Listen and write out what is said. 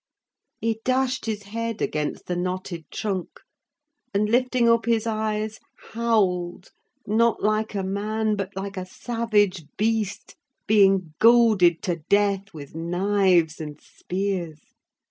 He dashed his head against the knotted trunk; and, lifting up his eyes, howled, not like a man, but like a savage beast being goaded to death with knives and spears.